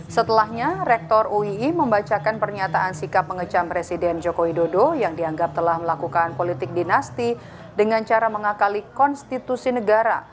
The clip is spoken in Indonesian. setelahnya rektor uii membacakan pernyataan sikap mengecam presiden joko widodo yang dianggap telah melakukan politik dinasti dengan cara mengakali konstitusi negara